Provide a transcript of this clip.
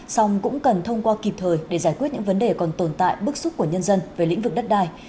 xong cũng cần thông qua kịp thời để giải quyết những vấn đề còn tồn tại bức xúc của nhân dân về lĩnh vực đất đai